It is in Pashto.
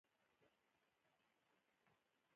د دوی په منځ کې پاک زړي، زړه ور.